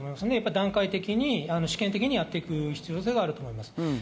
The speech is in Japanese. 段階的に試験的にやっていく必要性があると思います。